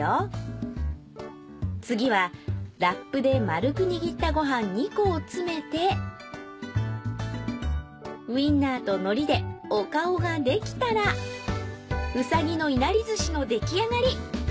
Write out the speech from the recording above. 次はラップで丸く握ったご飯２個を詰めてウインナーと海苔でお顔ができたらうさぎのいなり寿司の出来上がり。